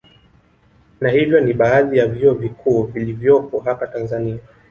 Na hivyo ni baadhi ya vyuo vikuu vilivyopo hapa Tanzania